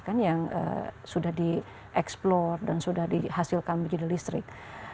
kan yang sudah dieksplor dan sudah dihasilkan menjadi listrik